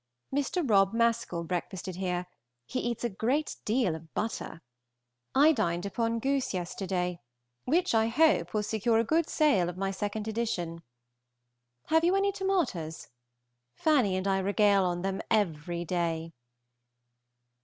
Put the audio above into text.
Mr. Rob. Mascall breakfasted here; he eats a great deal of butter. I dined upon goose yesterday, which, I hope, will secure a good sale of my second edition. Have you any tomatas? Fanny and I regale on them every day.